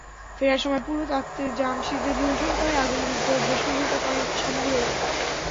ফেরার সময় পুরো তাখতে জামশিদে লুণ্ঠন করে আগুনে ভস্মীভূত করেন সমগ্র এলাকা।